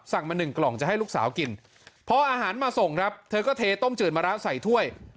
มาหนึ่งกล่องจะให้ลูกสาวกินพออาหารมาส่งครับเธอก็เทต้มจืดมะระใส่ถ้วย